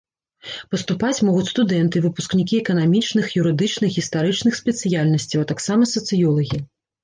Паступаць могуць студэнты і выпускнікі эканамічных, юрыдычных, гістарычных спецыяльнасцяў, а таксама сацыёлагі.